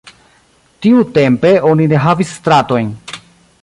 Tiu tempe, oni ne havis stratojn.